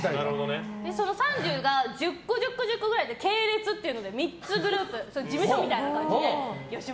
その３０が１０個、１０個、１０個で系列っていうので３つグループ事務所みたいな感じで。